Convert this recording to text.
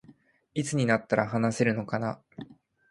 いつになったら話せるのかな